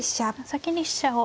先に飛車を。